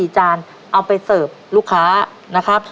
จานเอาไปเสิร์ฟลูกค้านะครับ